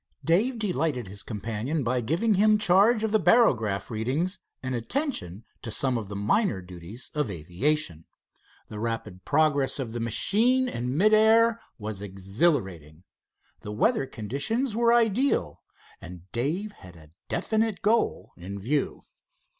Dave delighted his companion by giving him charge of the barograph readings and attention to some of the minor duties of aviation. The rapid progress of the machine in mid air was exhilarating. The weather conditions were ideal, and Dave had a definite goal in view.